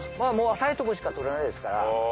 浅いとこでしか取れないですから。